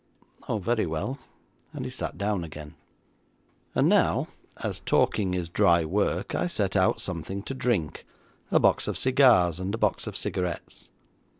'Oh, very well,' and he sat down again. And now, as talking is dry work, I set out something to drink, a box of cigars, and a box of cigarettes.